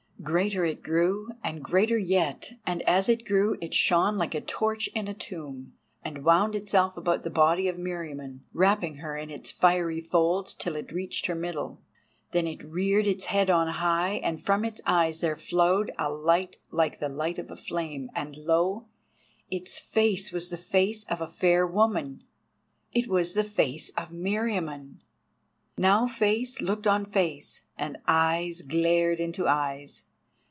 Greater it grew and greater yet, and as it grew it shone like a torch in a tomb, and wound itself about the body of Meriamun, wrapping her in its fiery folds till it reached her middle. Then it reared its head on high, and from its eyes there flowed a light like the light of a flame, and lo! its face was the face of a fair woman—it was the face of Meriamun! Now face looked on face, and eyes glared into eyes.